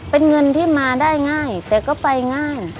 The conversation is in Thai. เป็นเงินที่มาได้ง่ายแต่ก็ไปง่าย